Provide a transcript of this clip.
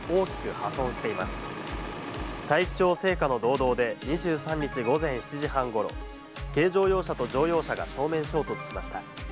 大樹町生花の道道で２３日午前７時半ごろ、軽乗用車と乗用車が正面衝突しました。